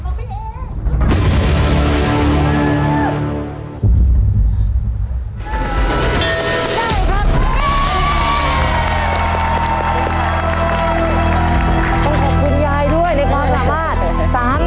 ขอบคุณยายด้วยในความสามารถ